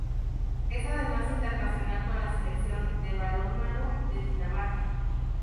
Es además, internacional con la Selección de balonmano de Dinamarca.